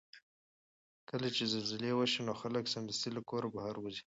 کله چې زلزله وشي نو خلک سمدستي له کورونو بهر وځي.